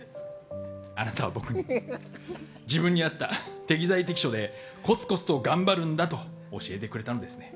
あなたは僕に自分に合った適材適所でコツコツと頑張るんだと教えてくれたんですね。